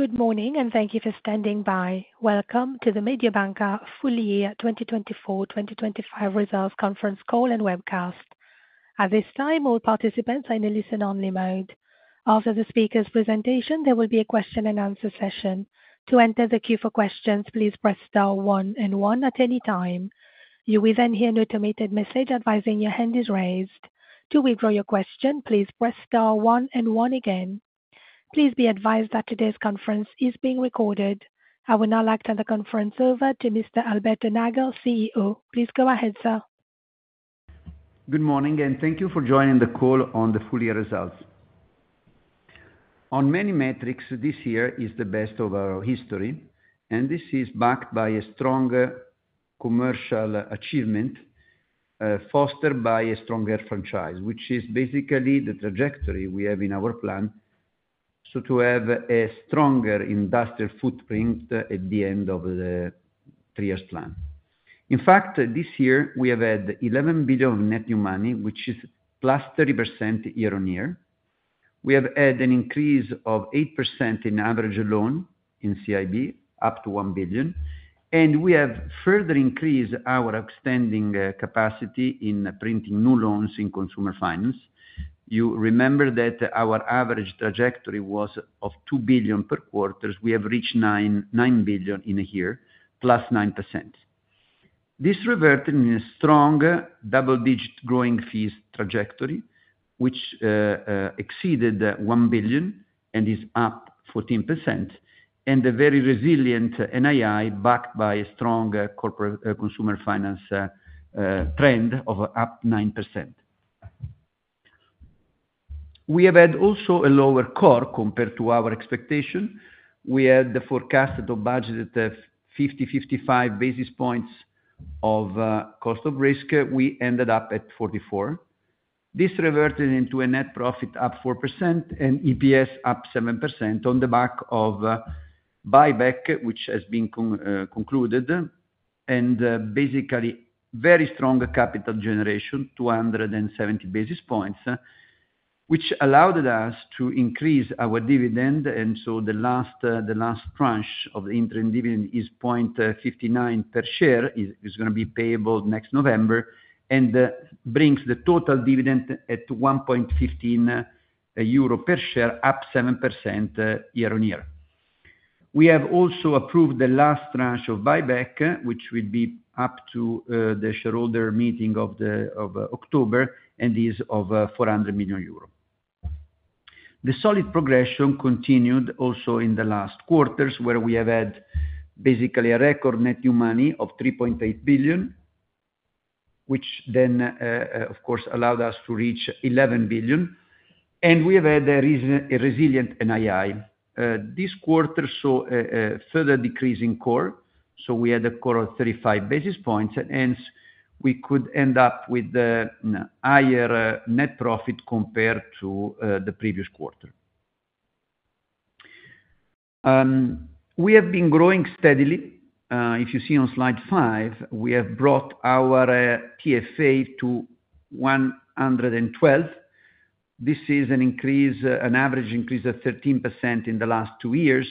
Good morning, and thank you for standing by. Welcome to the Mediobanca Full Year 2024-2025 Results Conference Call and Webcast. At this time, all participants are in a listen-only mode. After the speaker's presentation, there will be a question-and-answer session. To enter the queue for questions, please press star one and one at any time. You will then hear an automated message advising your hand is raised. To withdraw your question, please press star one and one again. Please be advised that today's conference is being recorded. I will now hand the conference over to Mr. Alberto Nagel, CEO. Please go ahead, sir. Good morning, and thank you for joining the call on the full-year results. On many metrics, this year is the best of our history, and this is backed by a stronger commercial achievement, fostered by a stronger franchise, which is basically the trajectory we have in our plan to have a stronger industrial footprint at the end of the three-years plan. In fact, this year we have had 11 billion net new money, which is +30% year on year. We have had an increase of 8% in average loan in CIB, up to 1 billion, and we have further increased our extending capacity in printing new loans in Consumer Finance. You remember that our average trajectory was of 2 billion per quarter. We have reached 9 billion in a year, +9%. This reverted in a strong double-digit growing fees trajectory, which exceeded 1 billion and is up 14%, and a very resilient NII backed by a strong Corporate Consumer Finance trend of up 9%. We have had also a lower cost of risk compared to our expectation. We had the forecast or budget of 50, 55 basis points of cost of risk. We ended up at 44. This reverted into a net profit up 4% and EPS up 7% on the back of buyback, which has been concluded, and basically very strong capital generation, 270 basis points, which allowed us to increase our dividend. The last tranche of the interim dividend is 0.59 per share. It's going to be payable next November and brings the total dividend at 1.15 euro per share, up 7% year on year. We have also approved the last tranche of buyback, which will be up to the shareholders’ meeting of October, and is of 400 million euro. The solid progression continued also in the last quarters, where we have had basically a record net new money of 3.8 billion, which then, of course, allowed us to reach 11 billion. We have had a resilient NII. This quarter saw a further decrease in cost of risk. We had a cost of risk of 35 basis points, and hence we could end up with a higher net profit compared to the previous quarter. We have been growing steadily. If you see on slide five, we have brought our TFA to 112 billion. This is an increase, an average increase of 13% in the last two years.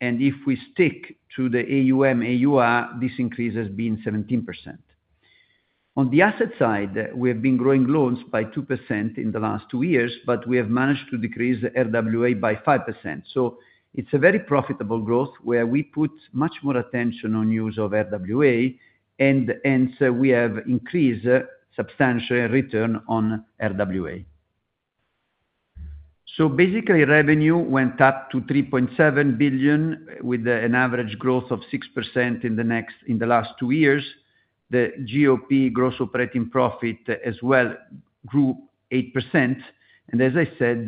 If we stick to the AUM/AUA, this increase has been 17%. On the asset side, we have been growing loans by 2% in the last two years, but we have managed to decrease the RWA by 5%. It's a very profitable growth where we put much more attention on use of RWA, and hence we have increased substantial return on RWA. Basically, revenue went up to 3.7 billion with an average growth of 6% in the last two years. The GOP, gross operating profit, as well, grew 8%. As I said,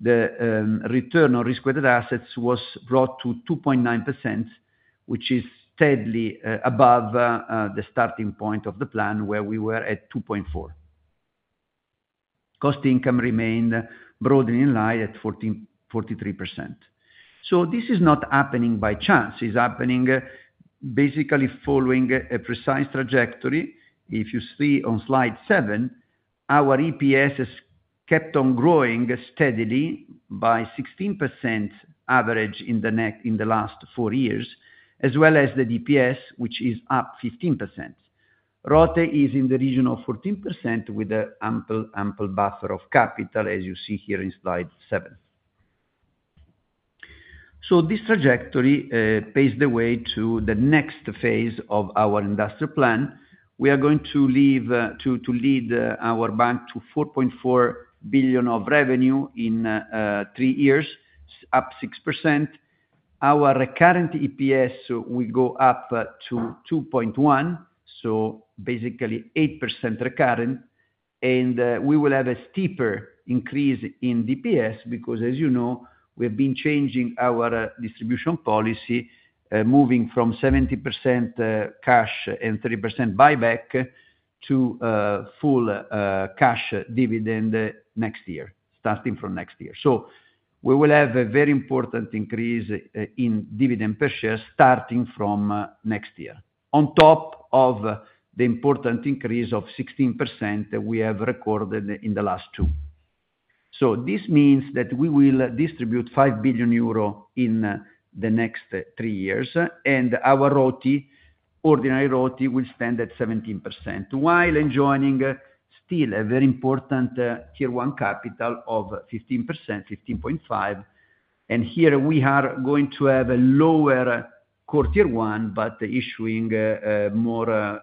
the return on risk-weighted assets was brought to 2.9%, which is steadily above the starting point of the plan where we were at 2.4%. Cost-to-income remained broadly in line at 43%. This is not happening by chance. It's happening basically following a precise trajectory. If you see on slide seven, our EPS has kept on growing steadily by 16% average in the last four years, as well as the DPS, which is up 15%. ROTE is in the region of 14% with an ample buffer of capital, as you see here in slide seven. This trajectory paves the way to the next phase of our industrial plan. We are going to lead our bank to 4.4 billion of revenue in three years, up 6%. Our recurrent EPS will go up to 2.1, so basically 8% recurrent. We will have a steeper increase in DPS because, as you know, we have been changing our distribution policy, moving from 70% cash and 30% buyback to full cash dividend next year, starting from next year. We will have a very important increase in dividend per share starting from next year, on top of the important increase of 16% we have recorded in the last two. This means that we will distribute 5 billion euro in the next three years, and our ROTE, ordinary ROTE, will stand at 17%, while enjoying still a very important Tier 1 capital of 15%, 15.5%. Here we are going to have a lower core Tier 1, but issuing more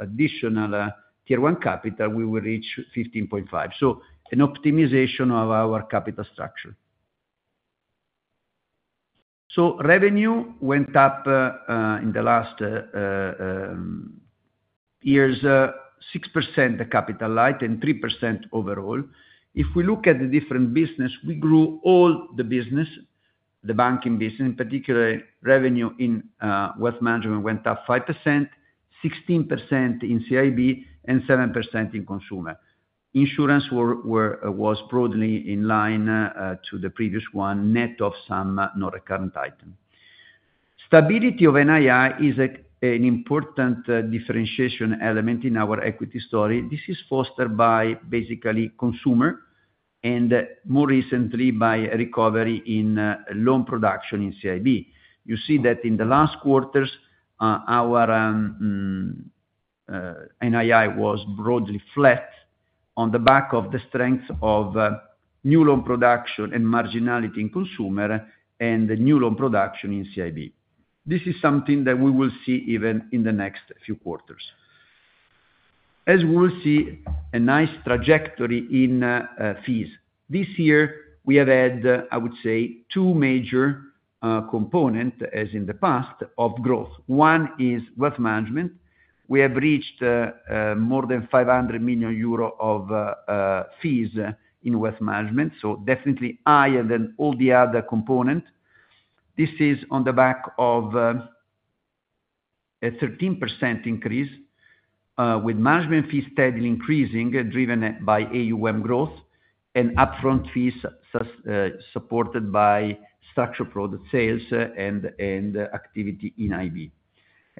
additional Tier 1 capital, we will reach 15.5%. This is an optimization of our capital structure. Revenue went up in the last years 6% capital light and 3% overall. If we look at the different business, we grew all the business. The banking business in particular, revenue in Wealth Management went up 5%, 16% in CIB, and 7% in Consumer. Insurance was broadly in line to the previous one, net of some non-recurrent item. Stability of NII is an important differentiation element in our equity story. This is fostered by basically consumer and more recently by recovery in loan production in CIB. You see that in the last quarters, our NII was broadly flat on the back of the strength of new loan production and marginality in consumer and new loan production in CIB. This is something that we will see even in the next few quarters, as we will see a nice trajectory in fees. This year we have had, I would say, two major components, as in the past, of growth. One is wealth management. We have reached more than 500 million euro of fees in wealth management, so definitely higher than all the other components. This is on the back of a 13% increase, with management fees steadily increasing, driven by AUM growth and upfront fees, supported by structured product sales and activity in IB.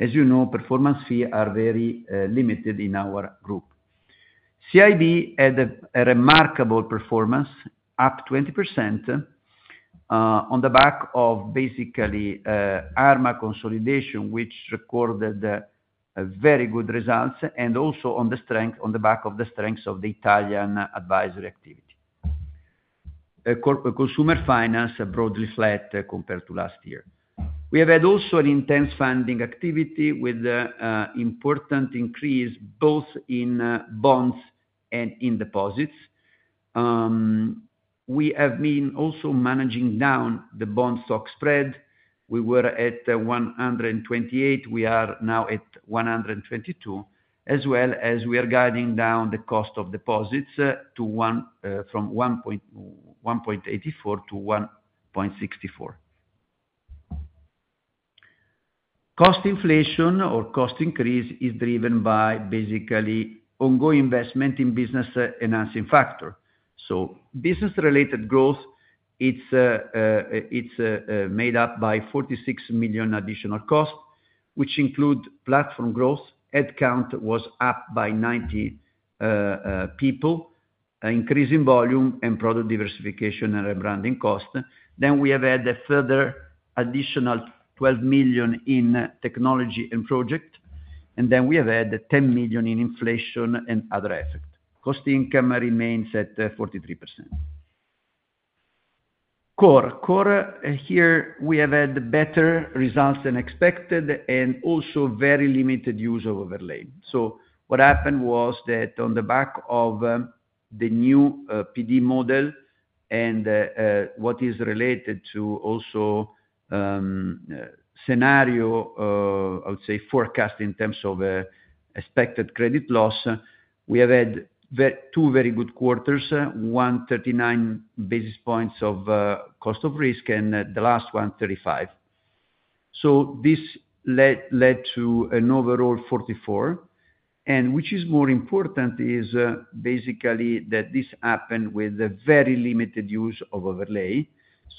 As you know, performance fees are very limited in our group. CIB had a remarkable performance, up 20% on the back of basically Arma consolidation, which recorded very good results, and also on the strength of the Italian advisory activity. Consumer Finance broadly flat compared to last year. We have had also an intense funding activity with important increase both in bonds and in deposits. We have been also managing down the bond stock spread. We were at 128, we are now at 122, as well as we are guiding down the cost of deposits from 1.84% to 1.64%. Cost inflation or cost increase is driven by basically ongoing investment in business enhancing factor. So business-related growth is made up by 46 million additional cost, which includes platform growth. Headcount was up by 90 people. Increase in volume and product diversification and rebranding cost. We have had a further additional 12 million in technology and project, and then we have had 10 million in inflation and other effects. Cost-to-income remains at 43%. Core, here we have had better results than expected and also very limited use of overlay. What happened was that on the back of the new PD model and what is related to also scenario, I would say, forecast in terms of expected credit loss, we have had two very good quarters, one 39 basis points of cost of risk and the last one 35. This led to an overall 44, and which is more important is basically that this happened with very limited use of overlay.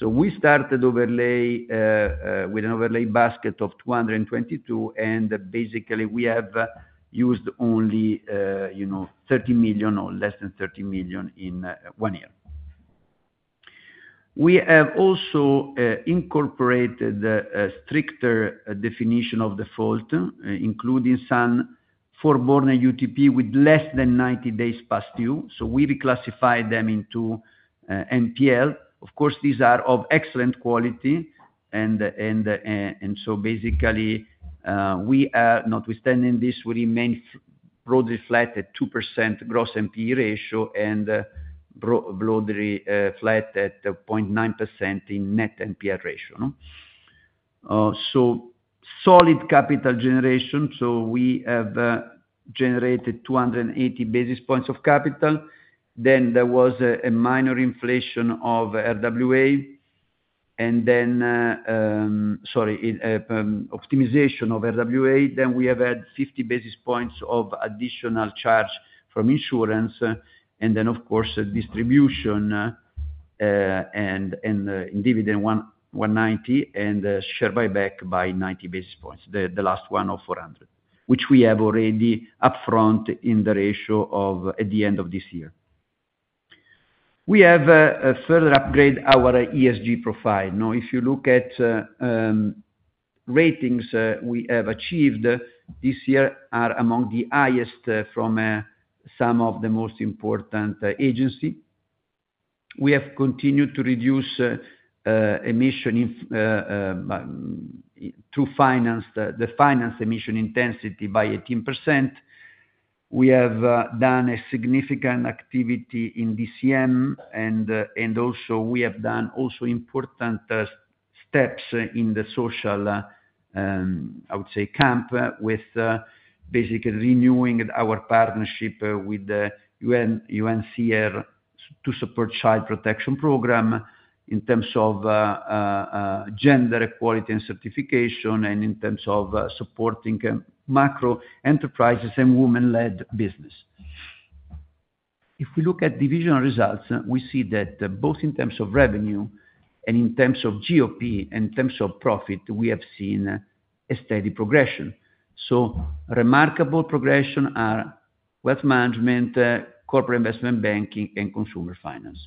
We started with an overlay basket of 222, and basically we have used only 30 million or less than 30 million in one year. We have also incorporated a stricter definition of default, including some foreboding UTP with less than 90 days past due. We reclassified them into NPL. Of course, these are of excellent quality. We are, notwithstanding this, we remain broadly flat at 2% gross NPE ratio and broadly flat at 0.9% in net NPE ratio. Solid capital generation. We have generated 280 basis points of capital. There was a minor inflation of RWA and optimization of RWA. We have had 50 basis points of additional charge from insurance, and then, of course, distribution. In dividend, 190 and share buyback by 90 basis points, the last one of 400, which we have already upfront in the ratio at the end of this year. We have further upgraded our ESG profile. If you look at ratings, we have achieved this year among the highest from some of the most important agencies. We have continued to reduce emission through finance, the finance emission intensity by 18%. We have done a significant activity in DCM, and we have also done important steps in the social, I would say, camp with basically renewing our partnership with UNHCR to support child protection program in terms of gender equality and certification and in terms of supporting macro enterprises and women-led business. If we look at division results, we see that both in terms of revenue and in terms of GOP and in terms of profit, we have seen a steady progression. Remarkable progression are Wealth Management, Corporate and Investment Banking, and Consumer Finance,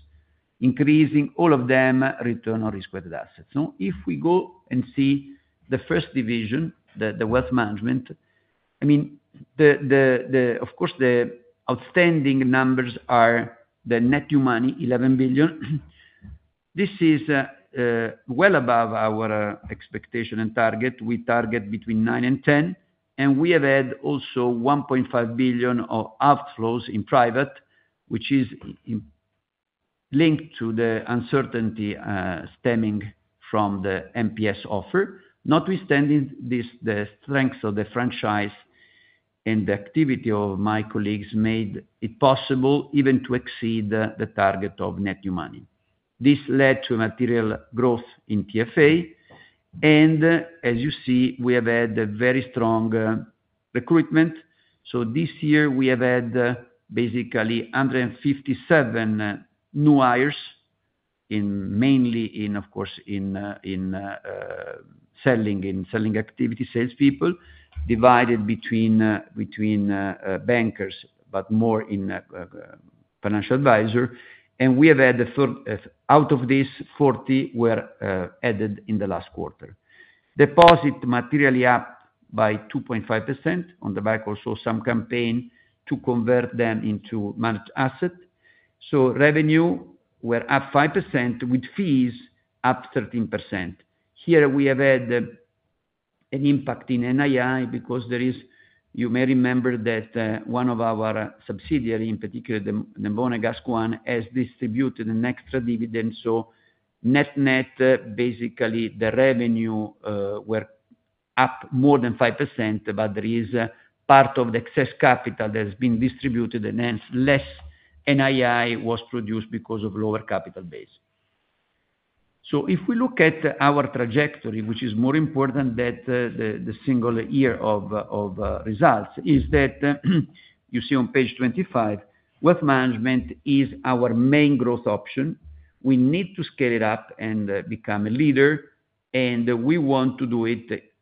increasing all of them return on risk-weighted assets. If we go and see the first division, the Wealth Management, the outstanding numbers are the net new money, 11 billion. This is well above our expectation and target. We target between 9 and 10 billion, and we have had also 1.5 billion of outflows in private, which is linked to the uncertainty stemming from the MPS offer. Notwithstanding, the strength of the franchise and the activity of my colleagues made it possible even to exceed the target of net new money. This led to material growth in TFA, and as you see, we have had a very strong recruitment. This year we have had basically 157 new hires, mainly in, of course, selling activity, salespeople, divided between bankers, but more in financial advisor. Out of this, 40 were added in the last quarter. Deposit materially up by 2.5% on the back also some campaign to convert them into managed asset. Revenue were up 5% with fees up 13%. Here we have had an impact in NII because there is, you may remember that one of our subsidiaries, in particular the Monégasque one, has distributed an extra dividend. Net net, basically the revenue were up more than 5%, but there is part of the excess capital that has been distributed and hence less NII was produced because of lower capital base. If we look at our trajectory, which is more important than the single year of results, you see on page 25, Wealth Management is our main growth option. We need to scale it up and become a leader, and we want to do it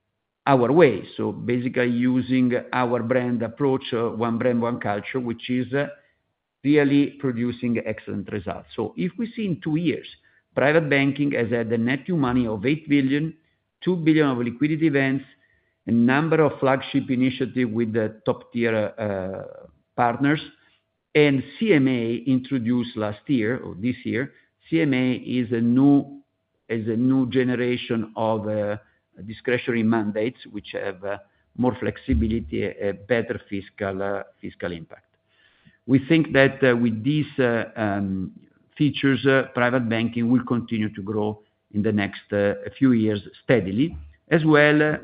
our way, basically using our brand approach, One Brand, One Culture, which is clearly producing excellent results. If we see in two years, Private Banking has had a net new money of 8 billion, 2 billion of liquidity events, a number of flagship initiatives with top-tier partners, and CMA introduced last year or this year. CMA is a new generation of discretionary mandates which have more flexibility and better fiscal impact. We think that with these features, Private Banking will continue to grow in the next few years steadily. As well,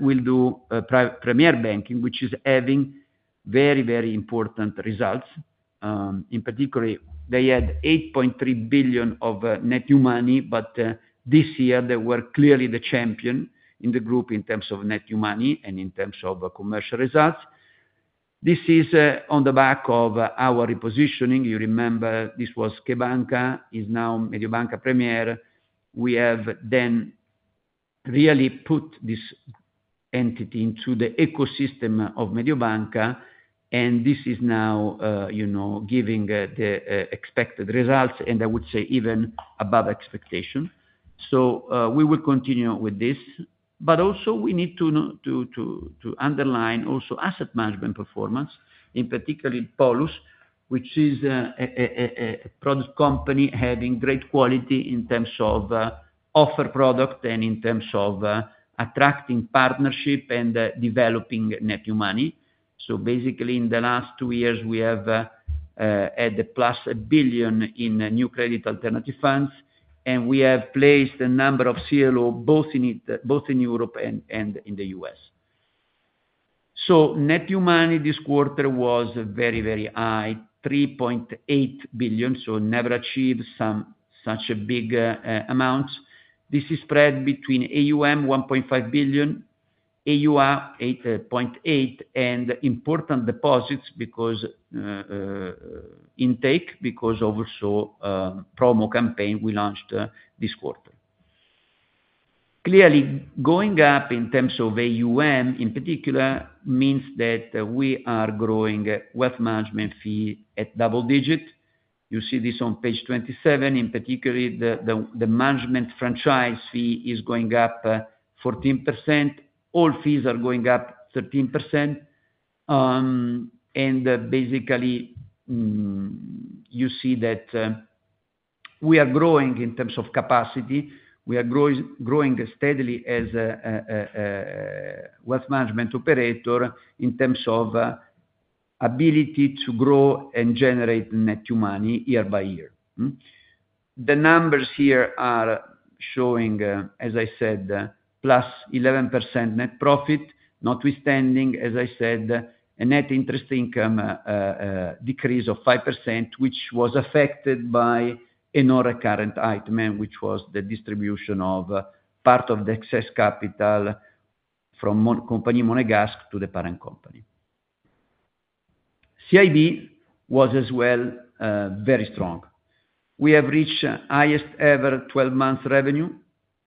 Premier Banking will do very, very important results. In particular, they had 8.3 billion of net new money, but this year they were clearly the champion in the group in terms of net new money and in terms of commercial results. This is on the back of our repositioning. You remember this was CheBanca, it is now Mediobanca Premier. We have really put this entity into the ecosystem of Mediobanca, and this is now giving the expected results, and I would say even above expectation. We will continue with this, but we also need to underline asset management performance, in particular Polus, which is a product company having great quality in terms of offer product and in terms of attracting partnership and developing net new money. In the last two years, we have had a plus 1 billion in new credit alternative funds, and we have placed a number of CLO both in Europe and in the U.S. Net new money this quarter was very, very high, 3.8 billion, never achieved such a big amount. This is spread between AUM, 1.5 billion, AUA 8.8 billion, and important deposits because intake, because of also a promo campaign we launched this quarter. Clearly, going up in terms of AUM in particular means that we are growing Wealth Management fee at double digit. You see this on page 27. In particular, the management franchise fee is going up 14%. All fees are going up 13%. We are growing in terms of capacity. We are growing steadily as a Wealth Management operator in terms of ability to grow and generate net new money year by year. The numbers here are showing, as I said, plus 11% net profit, notwithstanding, as I said, a net interest income. Decrease of 5%, which was affected by another current item, which was the distribution of part of the excess capital from company Monégasque to the parent company. CIB was as well very strong. We have reached highest ever 12 months revenue,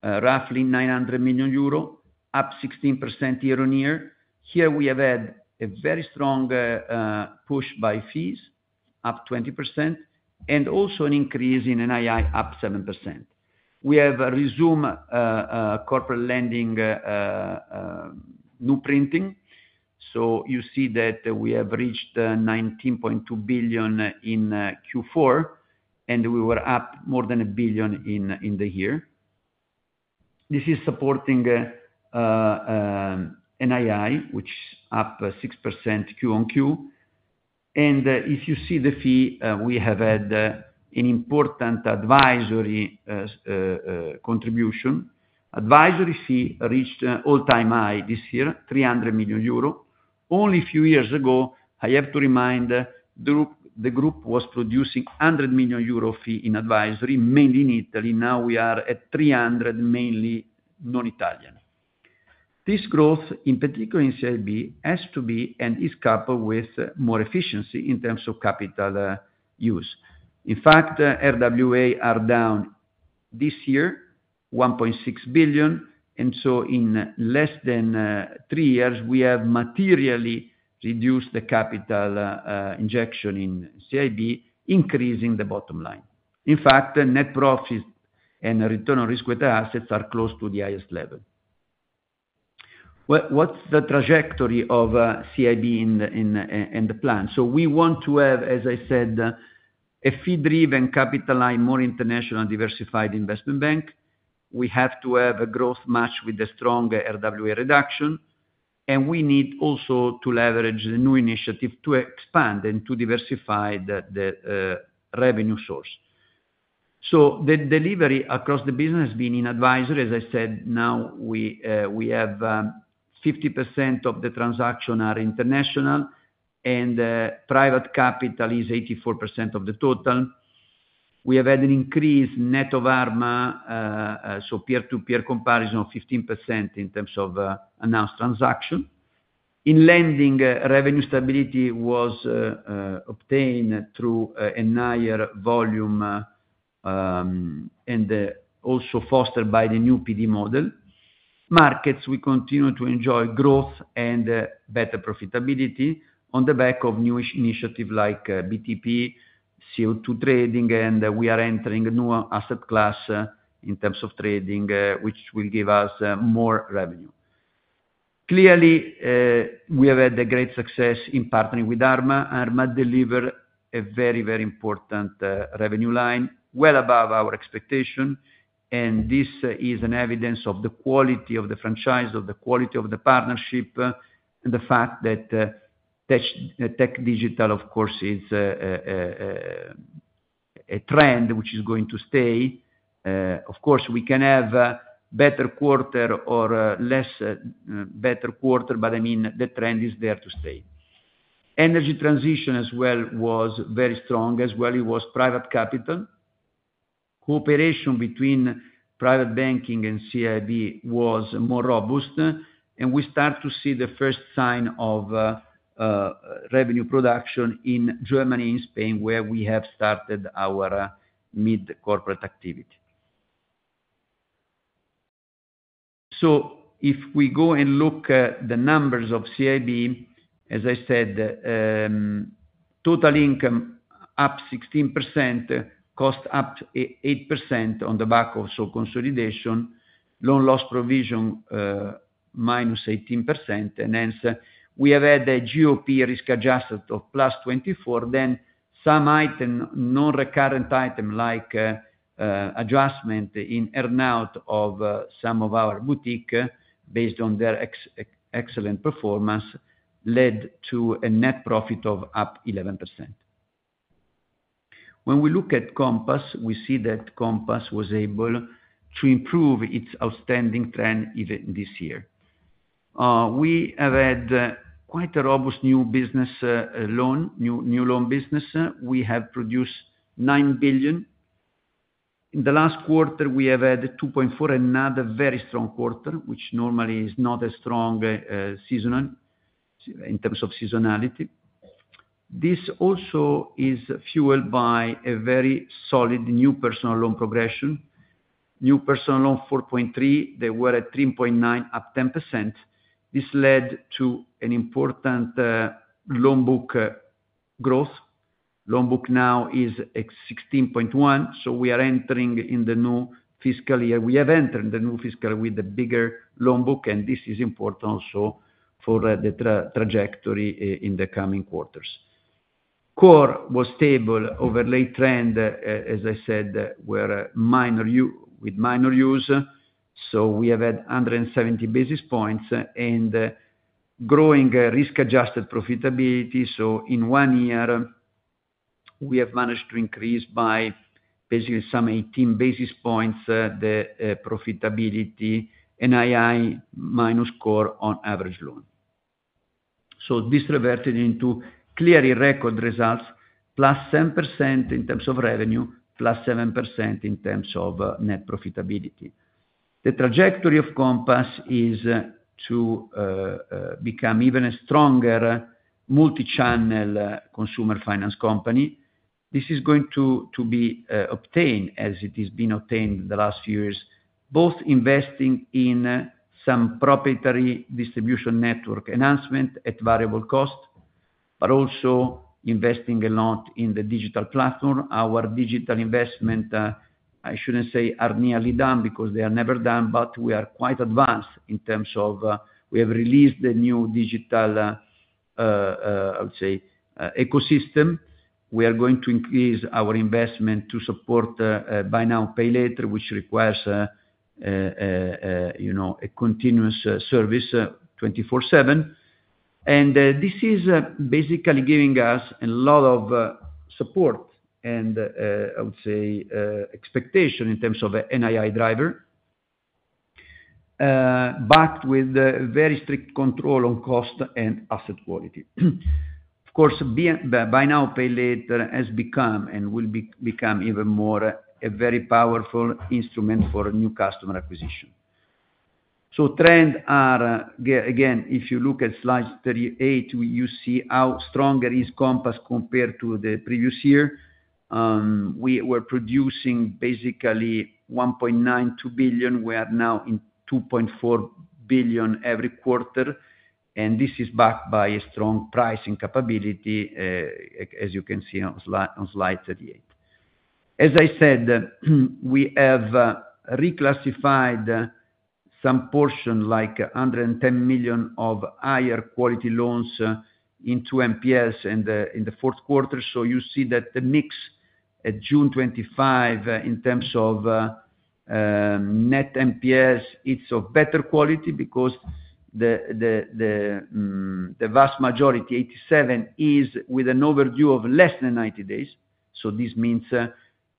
roughly 900 million euro, up 16% year on year. Here we have had a very strong push by fees, up 20%, and also an increase in NII up 7%. We have resumed corporate lending. New printing. You see that we have reached 19.2 billion in Q4, and we were up more than 1 billion in the year. This is supporting NII, which is up 6% Q-on -Q. If you see the fee, we have had an important advisory contribution. Advisory fee reached all-time high this year, 300 million euro. Only a few years ago, I have to remind, the group was producing 100 million euro fee in advisory, mainly in Italy. Now we are at 300 million, mainly non-Italian. This growth, in particular in CIB, has to be and is coupled with more efficiency in terms of capital use. In fact, RWA are down this year, 1.6 billion, and in less than three years, we have materially reduced the capital injection in CIB, increasing the bottom line. Net profit and return on risk-weighted assets are close to the highest level. What's the trajectory of CIB and the plan? We want to have, as I said, a fee-driven capital line, more international diversified investment bank. We have to have a growth match with a strong RWA reduction, and we need also to leverage the new initiative to expand and to diversify the revenue source. The delivery across the business has been in advisory. As I said, now we have 50% of the transactions are international, and private capital is 84% of the total. We have had an increased net of Arma. Peer-to-peer comparison of 15% in terms of announced transaction. In lending, revenue stability was obtained through a higher volume and also fostered by the new PD model. Markets, we continue to enjoy growth and better profitability on the back of new initiatives like BTP, CO2 trading, and we are entering a new asset class in terms of trading, which will give us more revenue. Clearly, we have had great success in partnering with Arma. Arma delivered a very, very important revenue line, well above our expectation. This is an evidence of the quality of the franchise, of the quality of the partnership, and the fact that tech digital, of course, is a trend which is going to stay. Of course, we can have a better quarter or less better quarter, but the trend is there to stay. Energy transition as well was very strong. As well, it was private capital. Cooperation between private banking and CIB was more robust. We start to see the first sign of revenue production in Germany, in Spain, where we have started our mid-corporate activity. If we go and look at the numbers of CIB, as I said, total income up 16%. Cost up 8% on the back of consolidation, loan loss provision minus 18%. Hence, we have had a GOP risk adjusted of plus 24%. Then some item, non-recurrent item like adjustment in earn-out of some of our boutique based on their excellent performance led to a net profit of up 11%. When we look at Compass, we see that Compass was able to improve its outstanding trend even this year. We have had quite a robust new business. New loan business. We have produced 9 billion. In the last quarter, we have had 2.4 billion, another very strong quarter, which normally is not as strong in terms of seasonality. This also is fueled by a very solid new personal loan progression. New personal loan 4.3 billion, they were at 3.9 billion, up 10%. This led to an important loan book growth. Loan book now is 16.1 billion. We are entering in the new fiscal year. We have entered the new fiscal year with a bigger loan book, and this is important also for the trajectory in the coming quarters. Core was stable. Overlay trend, as I said, with minor use. We have had 170 basis points and growing risk-adjusted profitability. In one year, we have managed to increase by basically some 18 basis points the profitability, NII minus core on average loan. This reverted into clearly record results, plus 7% in terms of revenue, plus 7% in terms of net profitability. The trajectory of Compass is to become even a stronger multi-channel Consumer Finance company. This is going to be obtained as it has been obtained the last few years, both investing in some proprietary distribution network enhancement at variable cost, but also investing a lot in the digital platform. Our digital investment, I shouldn't say are nearly done because they are never done, but we are quite advanced in terms of we have released the new digital, I would say, ecosystem. We are going to increase our investment to support buy now, pay later, which requires a continuous service 24/7. This is basically giving us a lot of support and, I would say, expectation in terms of an NII driver. Backed with very strict control on cost and asset quality. Of course, buy now, pay later has become and will become even more a very powerful instrument for new customer acquisition. Trends are, again, if you look at slide 38, you see how stronger is Compass compared to the previous year. We were producing basically 1.92 billion. We are now in 2.4 billion every quarter, and this is backed by a strong pricing capability, as you can see on slide 38. As I said, we have reclassified some portion, like 110 million of higher quality loans, into MPS in the fourth quarter. You see that the mix at June 25 in terms of net MPS, it's of better quality because the vast majority, 87%, is with an overdue of less than 90 days. This means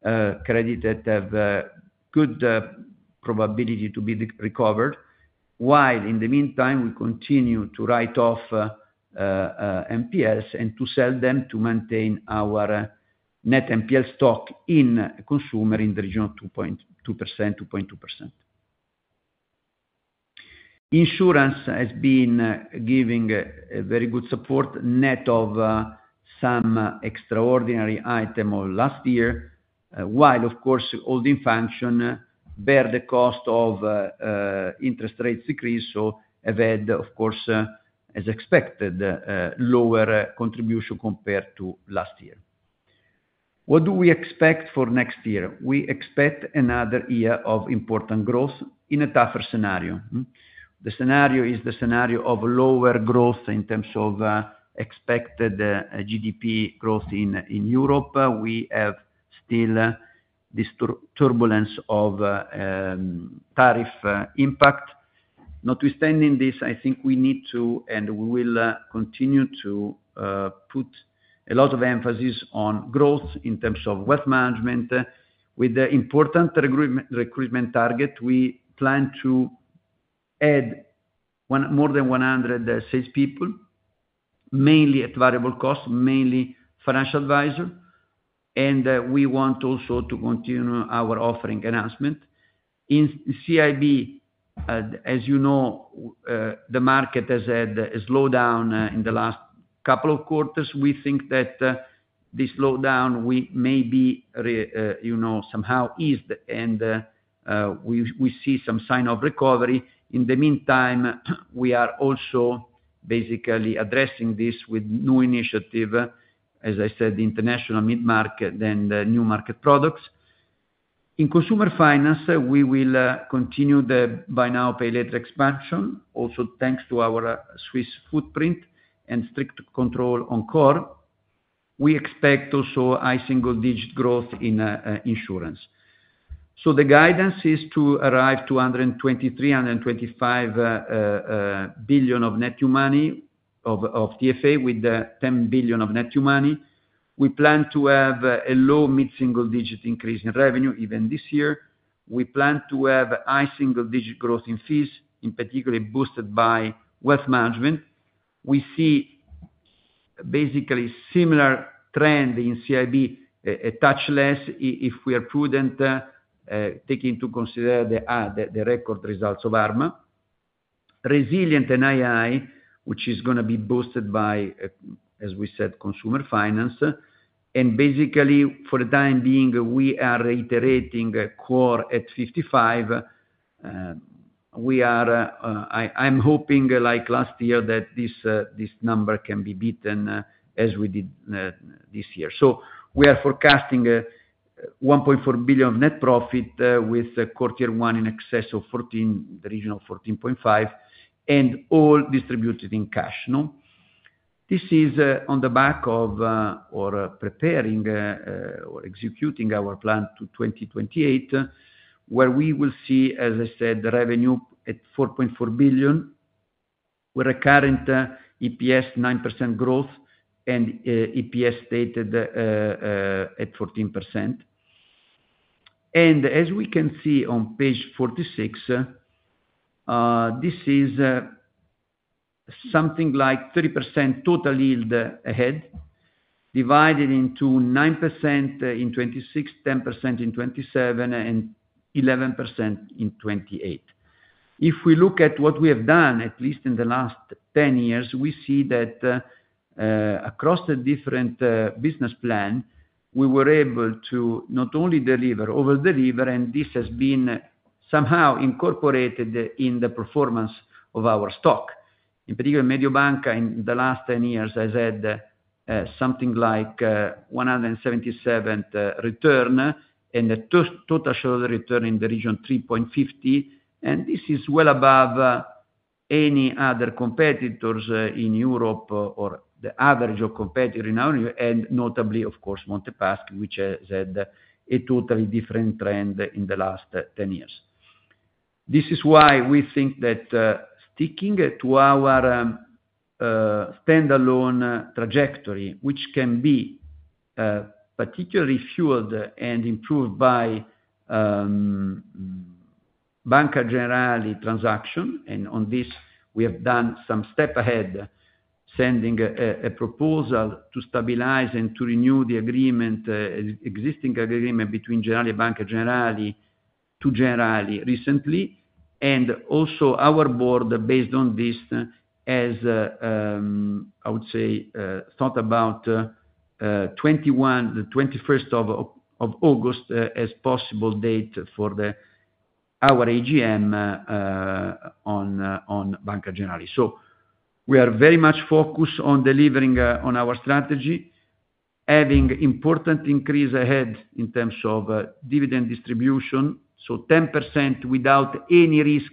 credits have good probability to be recovered. In the meantime, we continue to write off MPS and to sell them to maintain our net MPS stock in Consumer Finance in the region of 2%, 2.2%. Insurance has been giving very good support net of some extraordinary item last year, while, of course, holding function bears the cost of interest rates decrease, so has had, of course, as expected, lower contribution compared to last year. What do we expect for next year? We expect another year of important growth in a tougher scenario. The scenario is the scenario of lower growth in terms of expected GDP growth in Europe. We have still this turbulence of tariff impact. Notwithstanding this, I think we need to, and we will continue to, put a lot of emphasis on growth in terms of Wealth Management with the important recruitment target. We plan to add more than 100 salespeople, mainly at variable cost, mainly financial advisor, and we want also to continue our offering announcement. In CIB, as you know, the market has had a slowdown in the last couple of quarters. We think that this slowdown may be somehow eased, and we see some sign of recovery. In the meantime, we are also basically addressing this with new initiative, as I said, international mid-market and new market products. In Consumer Finance, we will continue the buy now, pay later expansion, also thanks to our Swiss footprint and strict control on core. We expect also high single-digit growth in insurance. The guidance is to arrive to 123 billion, 125 billion of net new money of TFA with 10 billion of net new money. We plan to have a low mid-single-digit increase in revenue even this year. We plan to have high single-digit growth in fees, in particular boosted by Wealth Management. We see basically similar trend in CIB, a touch less if we are prudent, taking into consideration the record results of Arma. Resilient net interest income, which is going to be boosted by, as we said, Consumer Finance. Basically, for the time being, we are reiterating core at 55. I'm hoping like last year that this number can be beaten as we did this year. We are forecasting 1.4 billion of net profit with core Tier 1 in excess of 1.4 billion, in the region of 1.45 billion, and all distributed in cash. This is on the back of preparing or executing our plan to 2028, where we will see, as I said, revenue at 4.4 billion, with a current EPS 9% growth and EPS stated at 14%. As we can see on page 46, this is something like 30% total yield ahead, divided into 9% in 2026, 10% in 2027, and 11% in 2028. If we look at what we have done, at least in the last 10 years, we see that across the different business plan, we were able to not only deliver, overdeliver, and this has been somehow incorporated in the performance of our stock. In particular, Mediobanca in the last 10 years, I said, something like 177% return and a total shareholder return in the region of 350%. This is well above any other competitors in Europe or the average of competitor in our area, and notably, of course, Monte Paschi, which has had a totally different trend in the last 10 years. This is why we think that sticking to our standalone trajectory, which can be particularly fueled and improved by Banca Generali transaction. On this, we have done some step ahead, sending a proposal to stabilize and to renew the existing agreement between Banca Generali, -- Banca Generali to Generali recently. Also, our board, based on this, has, I would say, thought about the 21st of August as possible date for our shareholders’ meeting on Banca Generali. We are very much focused on delivering on our strategy, having important increase ahead in terms of dividend distribution, so 10% without any risk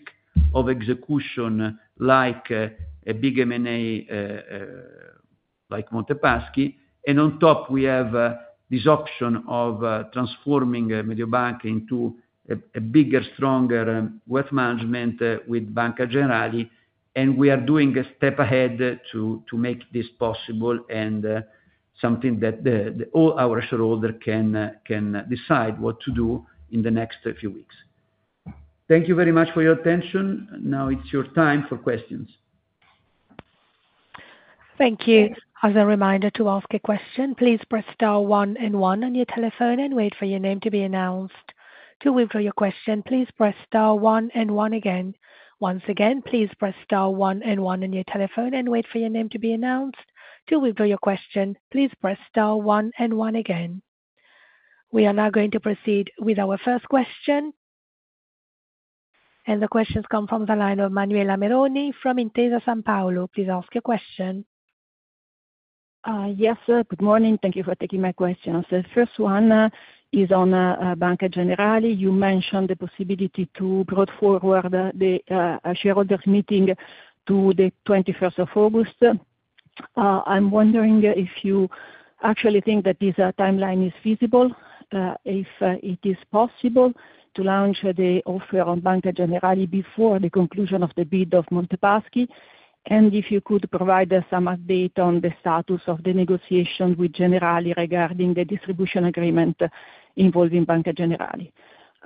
of execution like a big M&A like Monte Paschi. On top, we have this option of transforming Mediobanca into a bigger, stronger Wealth Management with Banca Generali. We are doing a step ahead to make this possible and something that all our shareholders can decide what to do in the next few weeks. Thank you very much for your attention. Now it's your time for questions. Thank you. As a reminder to ask a question, please press star one and one on your telephone and wait for your name to be announced. To withdraw your question, please press star one and one again. Once again, please press star one and one on your telephone and wait for your name to be announced. To withdraw your question, please press star one and one again. We are now going to proceed with our first question. The questions come from the line of Manuela Meroni from Intesa Sanpaolo. Please ask your question. Yes, sir. Good morning. Thank you for taking my question. The first one is on Banca Generali. You mentioned the possibility to bring forward the shareholders’ meeting to the 21st of August. I'm wondering if you actually think that this timeline is feasible, if it is possible to launch the offer on Banca Generali before the conclusion of the bid of Monte Paschi, and if you could provide some update on the status of the negotiation with Generali regarding the distribution agreement involving Banca Generali.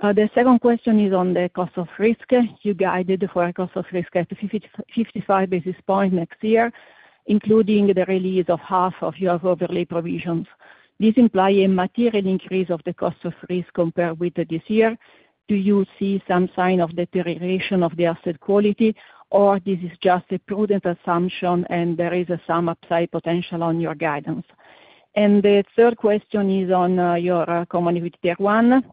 The second question is on the cost of risk. You guided for a cost of risk at 55 basis points next year, including the release of half of your overlay provisions. This implies a material increase of the cost of risk compared with this year. Do you see some sign of deterioration of the asset quality, or is this just a prudent assumption and there is some upside potential on your guidance? The third question is on your common equity Tier 1.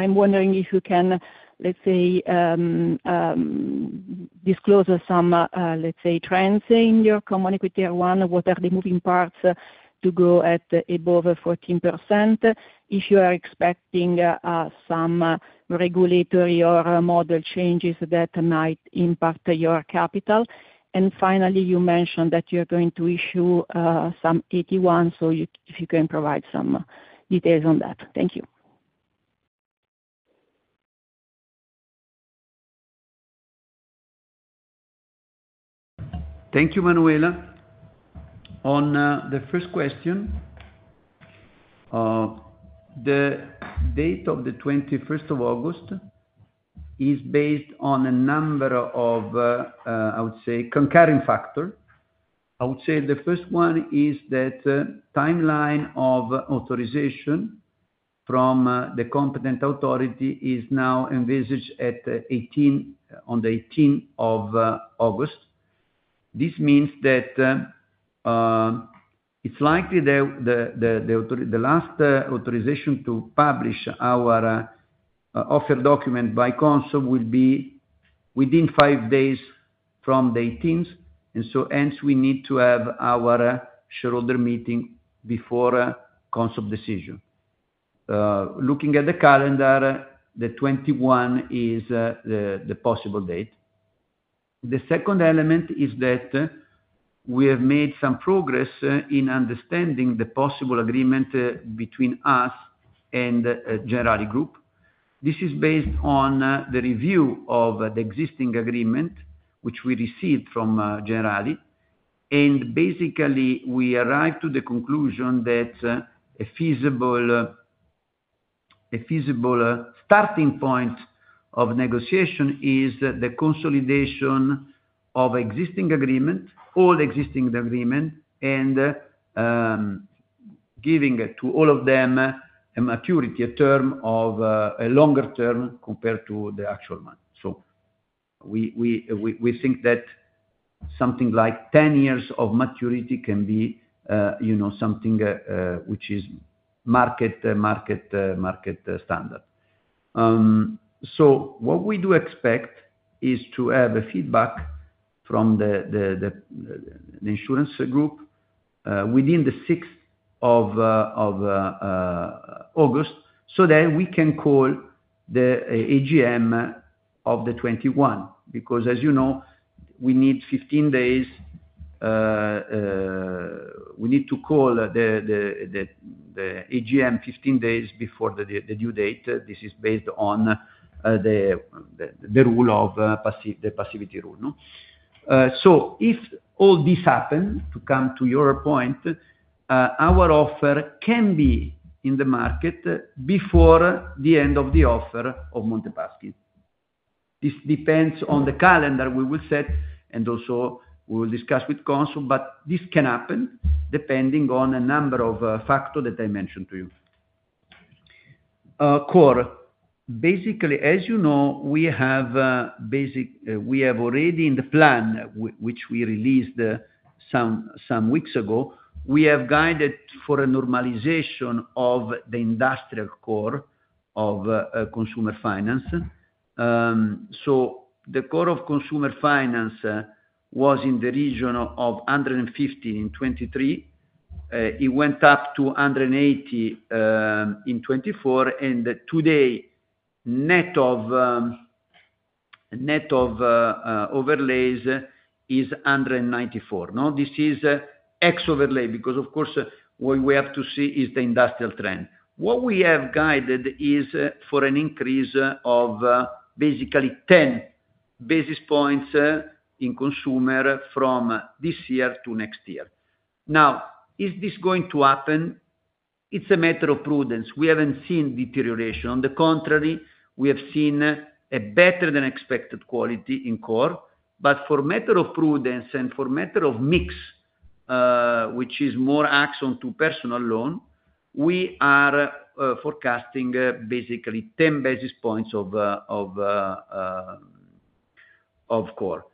I'm wondering if you can, let's say, disclose some, let's say, trends in your common equity Tier 1. What are the moving parts to go above 14% if you are expecting some regulatory or model changes that might impact your capital? Finally, you mentioned that you're going to issue some additional Tier 1. If you can provide some details on that. Thank you. Thank you, Manuela. On the first question, the date of the 21st of August is based on a number of, I would say, concurring factors. The first one is that the timeline of authorization from the competent authority is now envisaged on the 18th of August. This means that it's likely that the last authorization to publish our offer document by Consob will be within five days from the 18th, and so we need to have our shareholders’ meeting before Consob decision. Looking at the calendar, the 21st is the possible date. The second element is that we have made some progress in understanding the possible agreement between us and Generali Group. This is based on the review of the existing agreement, which we received from Generali. Basically, we arrived to the conclusion that a feasible starting point of negotiation is the consolidation of existing agreement, all existing agreement, and giving to all of them a maturity, a term of a longer term compared to the actual one. We think that something like 10 years of maturity can be something which is market standard. What we do expect is to have feedback from the insurance group within the 6th of August so that we can call the AGM of the 21. As you know, we need 15 days. We need to call the AGM 15 days before the due date. This is based on the rule of the passivity rule. If all this happened, to come to your point, our offer can be in the market before the end of the offer of Monte Paschi. This depends on the calendar we will set, and also we will discuss with counsel. This can happen depending on a number of factors that I mentioned to you. Basically, as you know, we have already in the plan, which we released some weeks ago, we have guided for a normalization of the industrial core of Consumer Finance. The core of Consumer Finance was in the region of 150 million in 2023. It went up to 180 million in 2024. Today, net of overlays, is 194 million. This is ex overlay because, of course, what we have to see is the industrial trend. What we have guided is for an increase of basically 10 basis points in consumer from this year to next year. Now, is this going to happen? It's a matter of prudence. We haven't seen deterioration. On the contrary, we have seen a better than expected quality in core. For matter of prudence and for matter of mix, which is more action to personal loan, we are forecasting basically 10 basis points of core.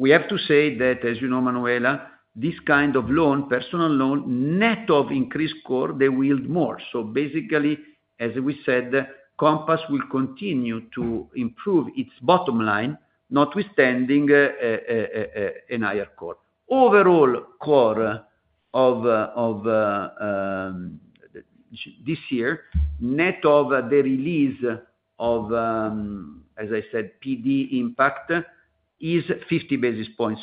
We have to say that, as you know, Manuela, this kind of loan, personal loan, net of increased core, they yield more. Basically, as we said, Compass will continue to improve its bottom line, notwithstanding a higher core. Overall core of this year, net of the release of, as I said, PD impact is 50 basis points.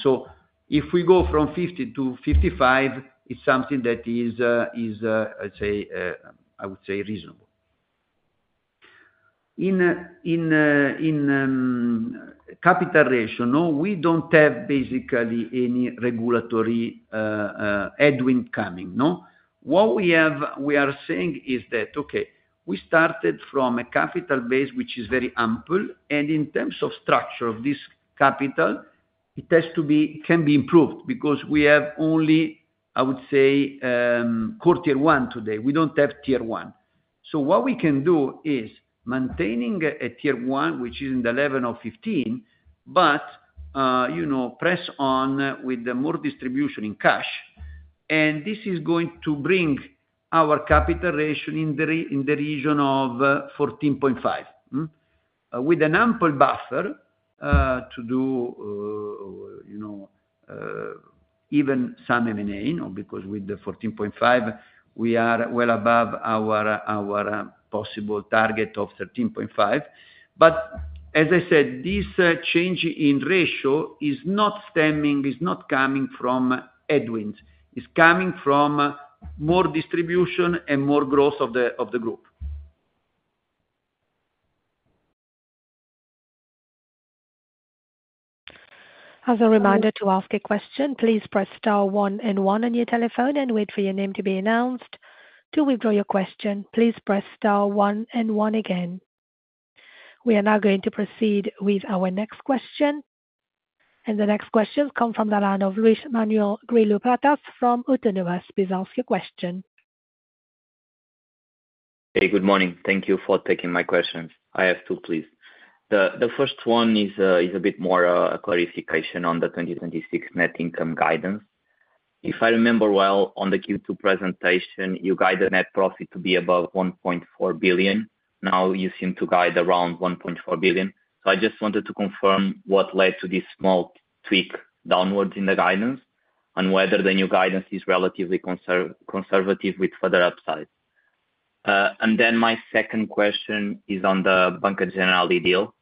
If we go from 50 to 55, it's something that is, I would say, reasonable. In capital ratio, we don't have basically any regulatory headwind coming. What we are saying is that, okay, we started from a capital base which is very ample, and in terms of structure of this capital, it can be improved because we have only, I would say, quarter one today. We don't have Tier 1. What we can do is maintaining a Tier 1, which is in the 11 or 15, but press on with more distribution in cash. This is going to bring our capital ratio in the region of 14.5%, with an ample buffer to do even some M&A, because with the 14.5%, we are well above our possible target of 13.5%. As I said, this change in ratio is not stemming, is not coming from earnings. It's coming from more distribution and more growth of the group. As a reminder, to ask a question, please press star one and one on your telephone and wait for your name to be announced. To withdraw your question, please press star one and one again. We are now going to proceed with our next question. The next questions come from the line of Luis Manuel Grilupatas from Autonomous. Please ask your question. Hey, good morning. Thank you for taking my questions. I have two, please. The first one is a bit more a clarification on the 2026 net income guidance. If I remember well, on the Q2 presentation, you guided net profit to be above 1.4 billion. Now you seem to guide around 1.4 billion. I just wanted to confirm what led to this small tweak downwards in the guidance and whether the new guidance is relatively conservative with further upside. My second question is on the Banca Generali deal.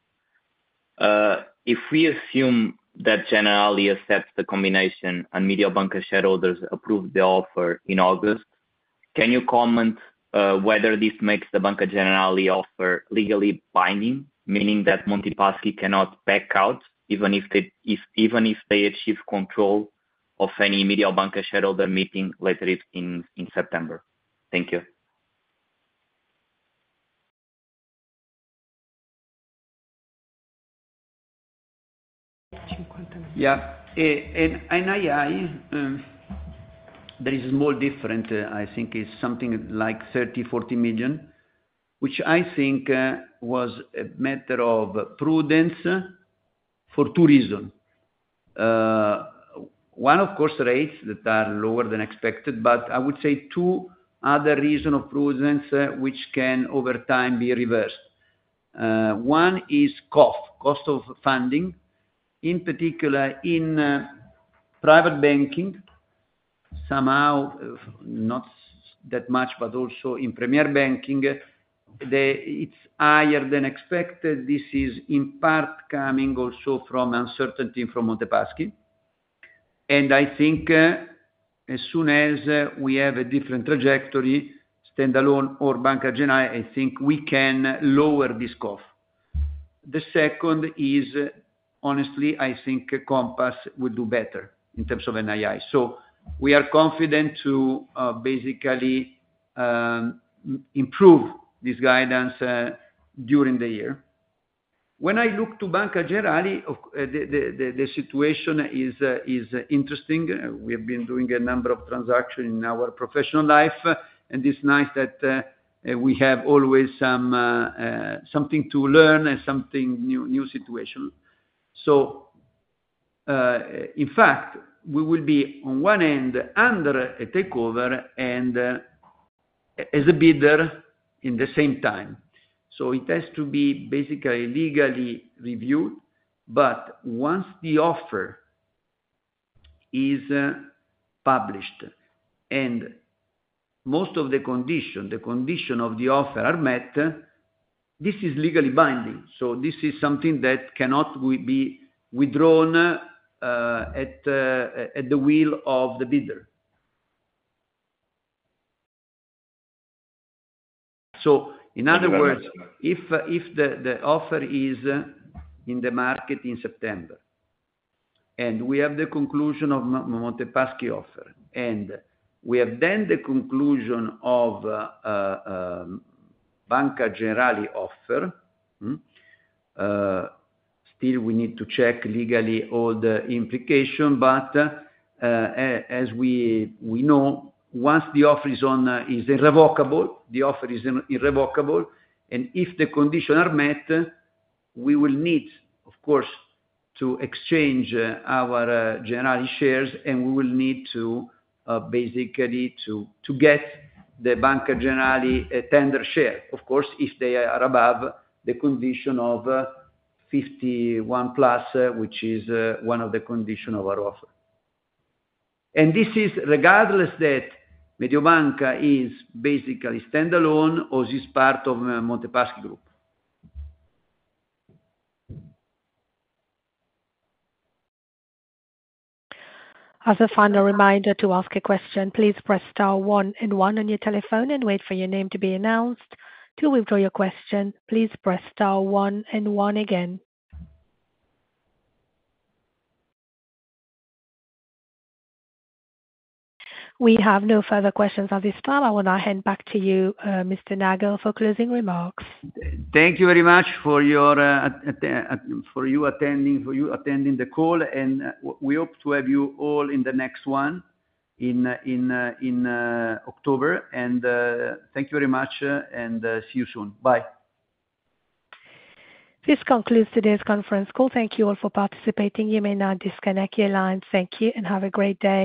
If we assume that Generali accepts the combination and Mediobanca shareholders approve the offer in August, can you comment whether this makes the Banca Generali offer legally binding, meaning that Monte Paschi cannot back out even if they achieve control of any Mediobanca shareholder meeting later in September? Thank you. Yeah. There is a small difference, I think it's something like 30 million, 40 million, which I think was a matter of prudence for two reasons. One, of course, rates that are lower than expected, but I would say two other reasons of prudence which can over time be reversed. One is cost, cost of funding, in particular in private banking. Somehow not that much, but also in premier banking. It's higher than expected. This is in part coming also from uncertainty from Monte Paschi. I think as soon as we have a different trajectory, standalone or Banca Generali, we can lower this cost. The second is, honestly, I think Compass will do better in terms of NII. We are confident to basically improve this guidance during the year. When I look to Banca Generali, the situation is interesting. We have been doing a number of transactions in our professional life, and it's nice that we have always something to learn and something new situation. In fact, we will be on one end under a takeover and as a bidder at the same time. It has to be basically legally reviewed. Once the offer is published and most of the conditions, the conditions of the offer are met, this is legally binding. This is something that cannot be withdrawn at the will of the bidder. In other words, if the offer is in the market in September and we have the conclusion of Monte Paschi offer, and we have then the conclusion of Banca Generali offer, still, we need to check legally all the implications. As we know, once the offer is irrevocable, the offer is irrevocable. If the conditions are met, we will need, of course, to exchange our Generali shares, and we will need to basically get the Banca Generali tender share, of course, if they are above the condition of 51% plus, which is one of the conditions of our offer. This is regardless that Mediobanca is basically standalone or is part of Monte Paschi. As a final reminder, to ask a question, please press star one and one on your telephone and wait for your name to be announced. To withdraw your question, please press star one and one again. We have no further questions at this time. I will now hand back to you, Mr. Nagel, for closing remarks. Thank you very much for your attending the call, and we hope to have you all in the next one in October. Thank you very much, and see you soon. Bye. This concludes today's conference call. Thank you all for participating. You may now disconnect your line. Thank you, and have a great day.